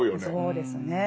そうですね。